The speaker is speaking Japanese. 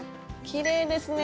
きれいですね。